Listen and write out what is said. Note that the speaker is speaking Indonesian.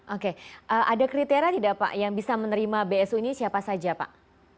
oke ada kriteria tidak pak yang bisa menerima bsu ini siapa saja pak